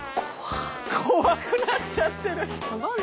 怖くなっちゃってる！